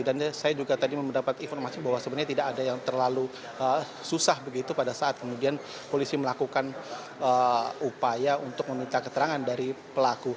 dan saya juga tadi mendapat informasi bahwa sebenarnya tidak ada yang terlalu susah begitu pada saat kemudian polisi melakukan upaya untuk meminta keterangan dari pelaku